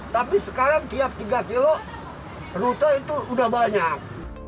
tapi sekarang tiap tiga kilo rute itu sudah banyak